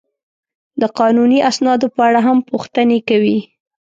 د قانوني اسنادو په اړه هم پوښتنې کوي.